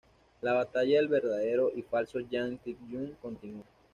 La batalla del verdadero y falso Jang Tae-yeong continúa.